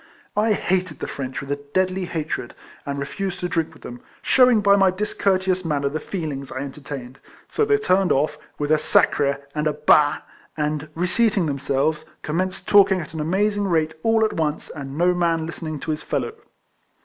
I hated the French with a deadly hatred, and refused to drink with them, shewing by my discourteous manner the feelings I entertained ; so they turned off, with a " Sacre I " and a " Bah !" and, reseating themselves, commenced talking at an amazing rate all at once, and no man listening to his fellow.